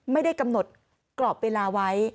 ไม่ได้กำหนดกรอบเวลาไว้